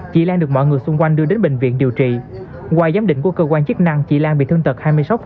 chị lan được mọi người xung quanh đưa đến bệnh viện điều trị ngoài giám định của cơ quan chức năng chị lan bị thương tật hai mươi sáu